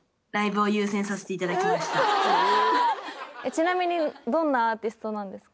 ちなみにどんなアーティストなんですか？